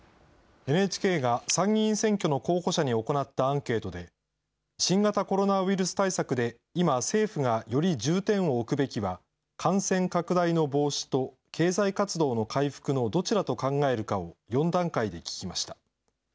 ＮＨＫが参議院選挙の候補者に行ったアンケートで、新型コロナウイルス対策で今、政府がより重点を置くべきは、感染拡大の防止と経済活動の回復のどちらと考えるかを４段階で聞きました。